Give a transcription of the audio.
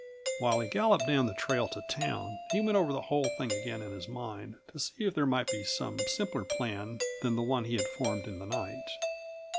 While he galloped down the trail to town, he went over the whole thing again in his mind, to see if there might be some simpler plan than the one he had formed in the night.